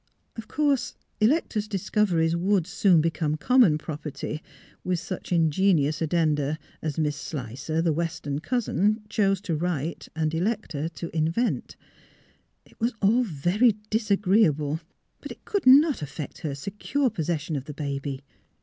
Of course, Electa 's discoveries would soon become common property, with such ingenious addenda as Miss Slicer, the Western cousin, chose to write and Electa to invent. It was all very disagreeable; but it could not affect her secure possession of the baby.